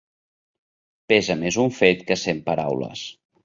Pesa més un fet que cent paraules.